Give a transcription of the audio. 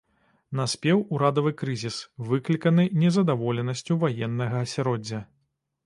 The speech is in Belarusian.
Наспеў урадавы крызіс, выкліканы незадаволенасцю ваеннага асяроддзя.